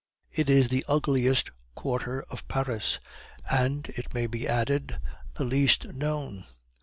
It is the ugliest quarter of Paris, and, it may be added, the least known.